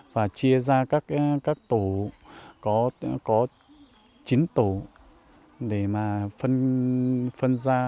và chia ra các tổ có chín tổ để mà phân ra